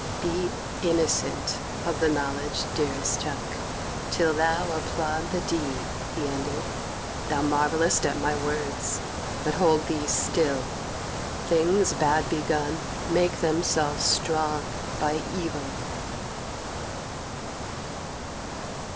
"Be innocent of the knowledge, dearest chuck, till thou applaud the deed," he ended. "Thou marvellest at my words, but hold thee still: things bad begun make themselves strong by evil."